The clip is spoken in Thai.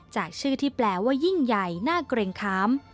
จากชื่อที่แปลว่ายิ่งใหญ่น่าเกร็งขาม